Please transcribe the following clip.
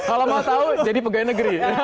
kalau mau tahu jadi pegawai negeri